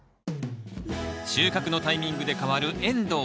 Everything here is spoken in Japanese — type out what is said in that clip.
収穫のタイミングで変わるエンドウ。